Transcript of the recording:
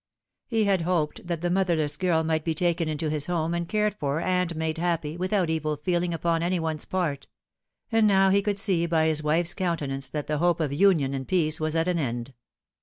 He had hoped that the motherless girl might be taken into his home and cared for and made happy, without evil feeling upon any one's part ; and now he could see by his wife's countenance that the hope of union and peace was at an end.